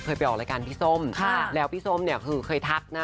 ไปออกรายการพี่ส้มแล้วพี่ส้มเนี่ยคือเคยทักนะ